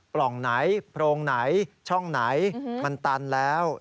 กล่องไหนโพรงไหนช่องไหนมันตันแล้ว